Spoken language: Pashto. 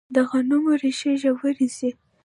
د غنمو ریښې ژورې ځي.